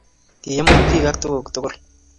Kiimut bik ak tuguk tugul